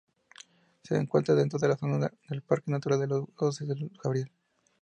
Se encuentra dentro de la zona del parque natural de las hoces del Cabriel.